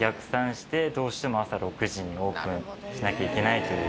どうしても。にオープンしなきゃいけないという。